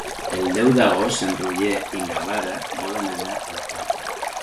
El deu d'agost en Roger i na Lara volen anar a la platja.